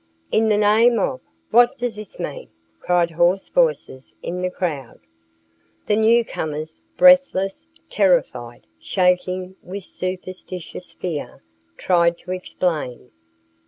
"In the name of , what does this mean?" cried hoarse voices in the crowd. The new comers, breathless, terrified, shaking with superstitious fear, tried to explain.